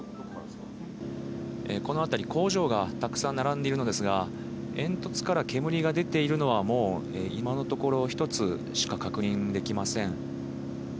このあたり、工場がたくさん並んでいるのですが煙突から煙が出ているのはもう今のところ１つしか確認できません。